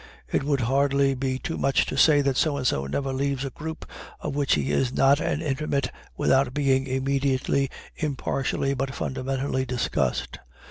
It would hardly be too much to say that So and So never leaves a group of which he is not an intimate without being immediately, impartially but fundamentally, discussed.